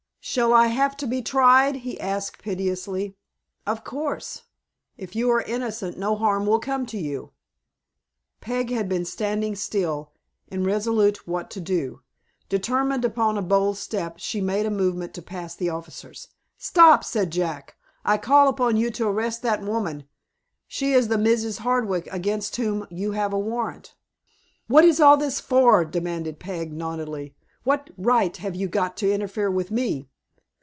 "Shall I have to be tried?" he asked, piteously. "Of course. If you are innocent, no harm will come to you." Peg had been standing still, irresolute what to do. Determined upon a bold step, she made a movement to pass the officers. "Stop!" said Jack. "I call upon you to arrest that woman. She is the Mrs. Hardwick against whom you have a warrant." "What is all this for?" demanded Peg, haughtily. "What right have you to interfere with me?"